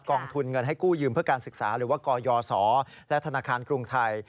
องทุนเงินให้กู้ยืมเพื่อการศึกษาหรือว่ากยศและธนาคารกรุงไทย